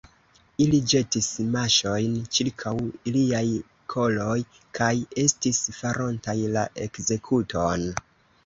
Ili ĵetis maŝojn ĉirkaŭ iliaj koloj kaj estis farontaj la ekzekuton.